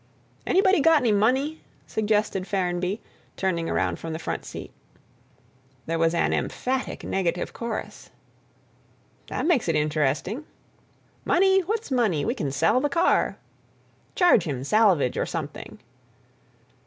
"Anybody got any money?" suggested Ferrenby, turning around from the front seat. There was an emphatic negative chorus. "That makes it interesting." "Money—what's money? We can sell the car." "Charge him salvage or something."